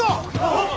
はっ！